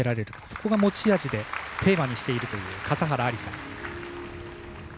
そこが持ち味でテーマにしているという笠原有彩。